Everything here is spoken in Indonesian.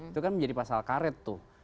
itu kan menjadi pasal karet tuh